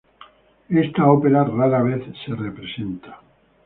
Esta ópera rara vez se representa.